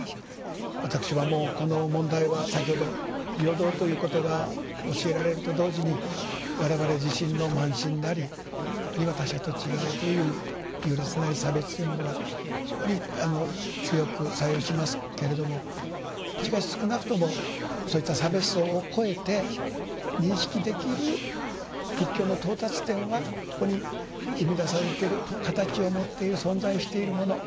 私はもうこの問題は先ほど平等ということが教えられると同時に我々自身の慢心なりあるいは他者と違うという許せない差別というものが非常に強く作用しますけれどもしかし少なくともそういった差別相を超えて認識できる仏教の到達点はここに生み出されてる形を持っている存在しているもの